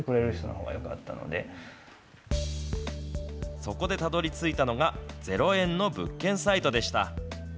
そこでたどりついたのが、０円の物件サイトでした。